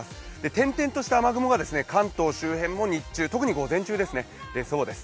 点々とした雨雲が関東周辺も日中、特に午前中、出そうです。